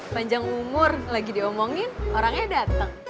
panjang umur lagi diomongin orangnya datang